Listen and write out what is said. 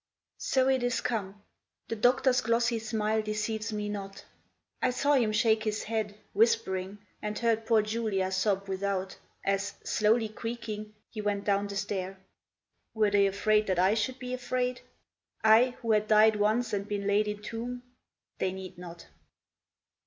So it is come! The doctor's glossy smile Deceives me not. I saw him shake his head, Whispering, and heard poor Giulia sob without, As, slowly creaking, he went down the stair. Were they afraid that I should be afraid? I, who had died once and been laid in tomb? They need not.